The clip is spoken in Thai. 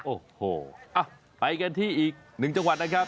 โอ้โหไปกันที่อีกหนึ่งจังหวัดนะครับ